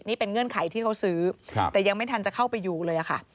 นี่เป็นเงื่อนไขที่เขาซื้อแต่ยังไม่ทันจะเข้าไปอยู่เลยค่ะ